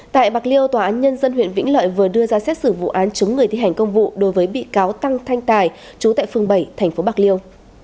tại bạc liêu tòa án nhân dân huyện vĩnh lợi vừa đưa ra xét xử vụ án chứng người thi hành công vụ đối với bị cáo tăng thanh tài trú tại phường bảy thành phố bạc liêu